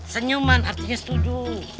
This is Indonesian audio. senyuman artinya setuju